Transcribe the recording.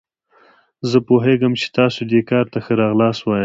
زه پوهیږم چې تاسو دې کار ته ښه راغلاست وایاست.